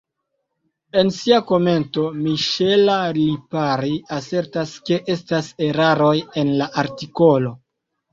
En sia komento Michela Lipari asertas, ke estas eraroj en la artikolo.